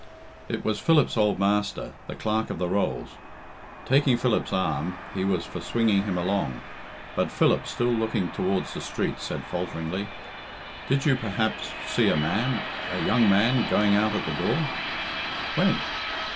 Is was Philip's old master, the Clerk of the Rolls. Taking Philip's arm, he was for swinging him along; but Philip, still looking towards the street, said falteringly, "Did you, perhaps, see a man a young man going out at the door?" "When?"